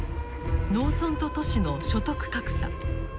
農村と都市の所得格差。